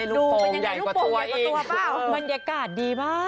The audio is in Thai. ดูเป็นยังไงลูกโป่งใหญ่กว่าตัวเปล่า